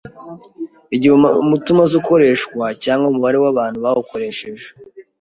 Igihe umuti umaze ukoreshwa cg umubare wʼabantu bawukoresheje